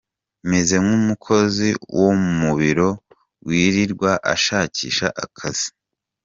Meze nk’umukozi wo mu biro wirirwa ashakisha akazi.